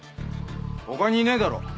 他にいねえだろ。